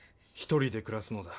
１人で暮らすのだ。